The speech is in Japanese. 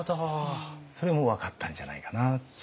それも分かったんじゃないかなっていう。